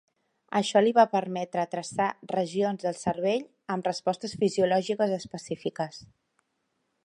Això li va permetre traçar regions del cervell amb respostes fisiològiques específiques.